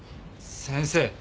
先生。